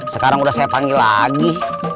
sekarang udah saya panggil lagi